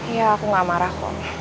iya aku gak marah kok